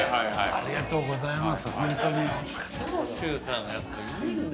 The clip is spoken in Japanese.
ありがとうございます。